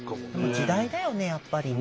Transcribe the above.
時代だよねやっぱりね。